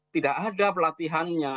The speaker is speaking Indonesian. tidak ada pelatihannya